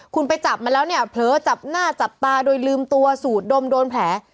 คุณไปจับมาแล้วเนี่ยเผลอจับหน้าจับตาโดยลืมตัวสูดดมโดนแผล